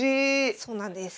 そうなんです。